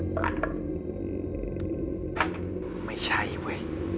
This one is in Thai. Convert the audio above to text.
ไม่ใช่เว้ย